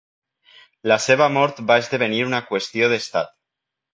La seva mort va esdevenir una qüestió d'estat.